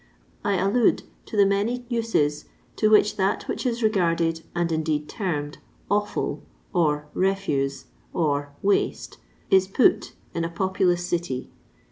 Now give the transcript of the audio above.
I allude to the many uses to which that which is regarded, and indeed termed, " offiU," or " refuse," or " waste," is put in a populous city.